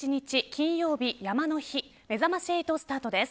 金曜日、山の日めざまし８、スタートです。